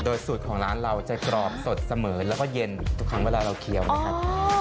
โดยสูตรของร้านเราจะกรอบสดเสมอแล้วก็เย็นทุกครั้งเวลาเราเคี้ยวนะครับ